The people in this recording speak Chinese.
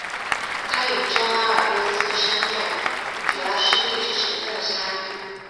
它与中阿尔卑斯山脉主要是地质成分的差异。